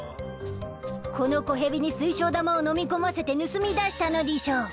この子ヘビに水晶玉をのみ込ませて盗み出したのでぃしょう。